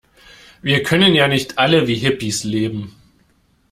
Wir können ja nicht alle wie Hippies leben.